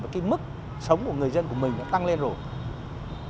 và cái mức sống của người dân của mình nó tăng lên rồi